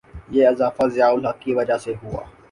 یہ اضافہ ضیاء الحق کی وجہ سے ہوا؟